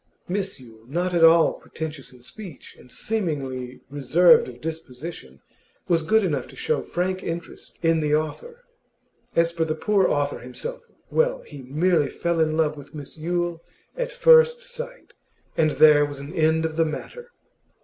Miss Yule, not at all pretentious in speech, and seemingly reserved of disposition, was good enough to show frank interest in the author. As for the poor author himself, well, he merely fell in love with Miss Yule at first sight, and there was an end of the matter.